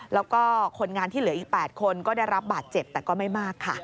แล้วก็คนงานที่เหลืออีก๘คนก็ได้รับบาดเจ็บแต่ก็ไม่มากค่ะ